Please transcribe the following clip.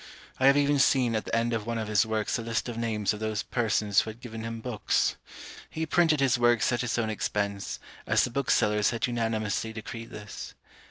I have even seen at the end of one of his works a list of names of those persons who had given him books. He printed his works at his own expense, as the booksellers had unanimously decreed this.